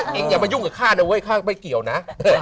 อย่ามายุ่งกับข้านะเว้ยข้าไม่เกี่ยวนะ